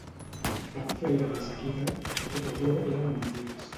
Vam flairar de seguida que tot allò eren mentides.